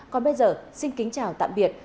còn bây giờ xin kính chào tạm biệt